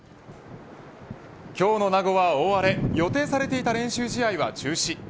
今日の名護は大荒れ予定されていた練習試合は中止。